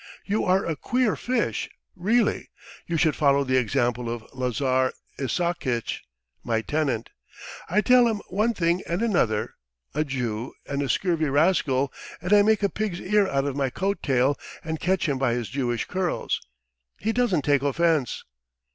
You are a queer fish really! You should follow the example of Lazar Isaakitch, my tenant. I call him one thing and another, a Jew, and a scurvy rascal, and I make a pig's ear out of my coat tail, and catch him by his Jewish curls. He doesn't take offence."